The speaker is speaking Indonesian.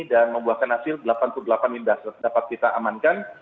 dan membuahkan hasil delapan puluh delapan indah dapat kita amankan